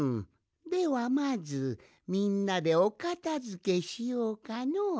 ではまずみんなでおかたづけしようかのう。